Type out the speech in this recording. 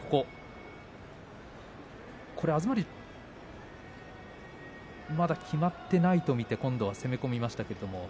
東龍はまだ決まっていないと見て今度は攻め込みました。